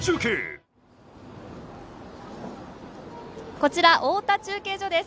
こちら太田中継所です。